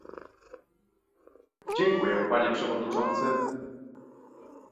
Dziękuję, panie przewodniczący